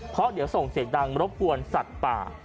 เพราะเดี๋ยวส่งเสียงดังรบกวนสัตว์ป่า